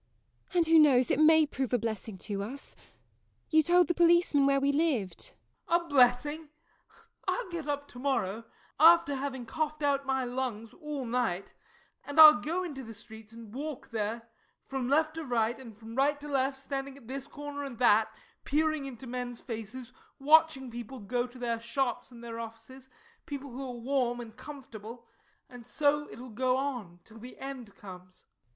And who knows it may prove a blessing to us. You told the policeman where we lived? JOE. A blessing! I'll get up to morrow, after having coughed out my lungs all night and I'll go into the streets and walk there from left to right and from right to left, standing at this corner and at that, peering into men's faces, watching people go to their shops and their offices, people who are warm and comfortable and so it will go on, till the end comes.